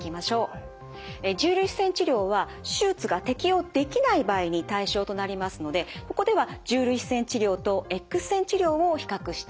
重粒子線治療は手術が適応できない場合に対象となりますのでここでは重粒子線治療とＸ線治療を比較していきます。